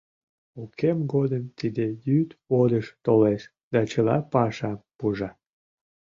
— Укем годым тиде йӱд водыж толеш да чыла пашам пужа.